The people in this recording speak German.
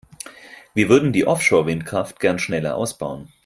Wir würden die Offshore-Windkraft gerne schneller ausbauen.